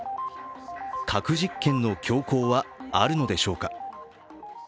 核実験の強行はあるのでしょうか。